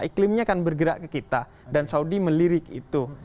iklimnya akan bergerak ke kita dan saudi melirik itu